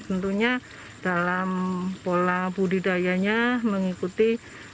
tentunya dalam pola budidayanya mengikuti